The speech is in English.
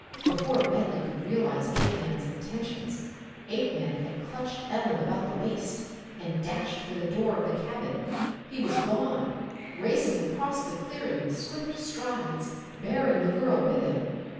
Before Bentley could realize Apeman's intentions, Apeman had clutched Ellen about the waist and dashed for the door of the cabin. He was gone, racing across the clearing with swift strides, bearing the girl with him.